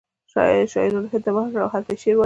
شاعرانو هند ته مخه کړه او هلته یې شعر وایه